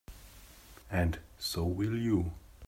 And so will you.